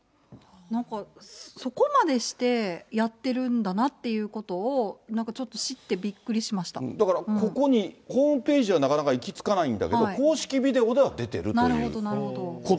なんか、そこまでしてやってるんだなっていうことを、なんかだから、ここに、ホームページにはなかなかいきつかないんだけど、公式ビデオではなるほど、なるほど。